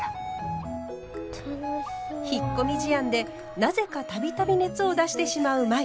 引っ込み思案でなぜか度々熱を出してしまう舞。